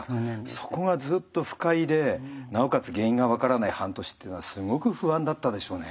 そこがずっと不快でなおかつ原因が分からない半年っていうのはすごく不安だったでしょうね。